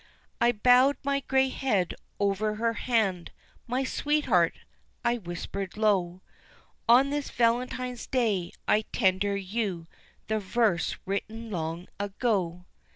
I bowed my grey head over her hand, "my sweetheart," I whispered low, On this Valentine's day I tender you the verse written long ago.